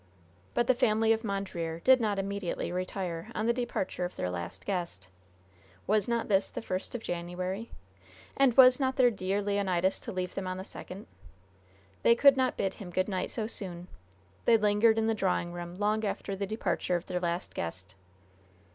But the family of Mondreer did not immediately retire on the departure of their last guest. Was not this the first of January? And was not their dear Leonidas to leave them on the second? They could not bid him good night so soon. They lingered in the drawing room long after the departure of their last guest.